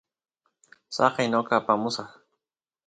saqey noqa apamusaq